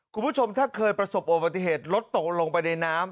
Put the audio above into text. คุณผู้ชมถ้าเคยประสบอุบัติเหตุรถตกลงไปในน้ำ